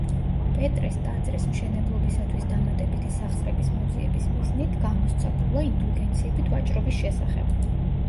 პეტრეს ტაძრის მშენებლობისათვის დამატებითი სახსრების მოძიების მიზნით, გამოსცა ბულა ინდულგენციებით ვაჭრობის შესახებ.